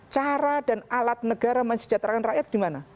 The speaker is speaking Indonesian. cara dan alat negara mensejahterakan rakyat di mana